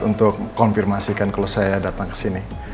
untuk konfirmasikan kalau saya datang kesini